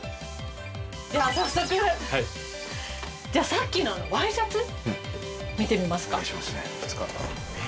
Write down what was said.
では早速さっきのワイシャツ見てみますか？